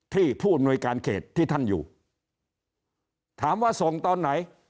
ผู้อำนวยการเขตที่ท่านอยู่ถามว่าส่งตอนไหน